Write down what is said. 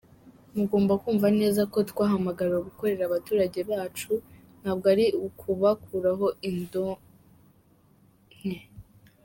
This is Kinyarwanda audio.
Mugomba kumva neza ko twahamagariwe gukorera abaturage bacu, ntabwo ari ukubakuraho indonke.